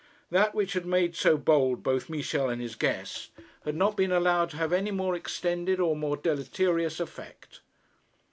That which had made so bold both Michel and his guest had not been allowed to have any more extended or more deleterious effect.